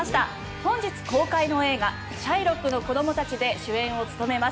本日公開の映画「シャイロックの子供たち」で主演を務めます